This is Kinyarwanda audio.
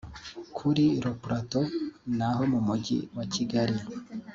kuri “Le Plateau” naho mu Mujyi wa Kigali